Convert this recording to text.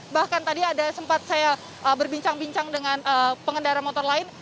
bahkan tadi ada sempat saya berbincang bincang dengan pengendara motor lain